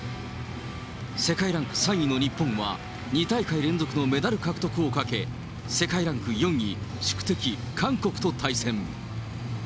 世界ランク３位の日本は、２大会連続のメダル獲得をかけ、世界ランク４位、宿敵、韓国と対戦。